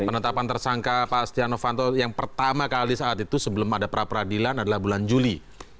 penetapan tersangka pak stiano fanto yang pertama kali saat itu sebelum ada pra peradilan adalah bulan juli